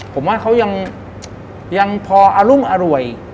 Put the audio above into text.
ผมว่าเขายังพออรุ่งอร่วย